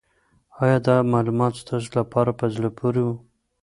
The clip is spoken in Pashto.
آیا دا معلومات ستاسو لپاره په زړه پورې وو؟